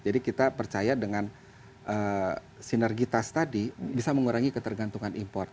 jadi kita percaya dengan sinergitas tadi bisa mengurangi ketergantungan import